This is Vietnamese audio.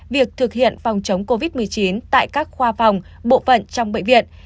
việc thực hiện phòng chống covid một mươi chín tại các khoa phòng bộ phận trong bệnh viện